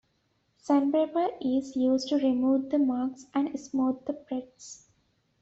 Sandpaper is used to remove the marks and smooth the frets.